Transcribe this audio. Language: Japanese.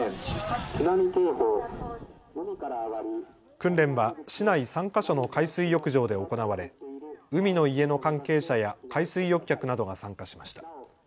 訓練は市内３か所の海水浴場で行われ海の家の関係者や海水浴客などが参加しました。